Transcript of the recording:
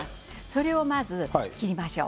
それをまず切りましょう。